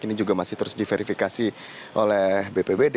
ini juga masih terus diverifikasi oleh bpbd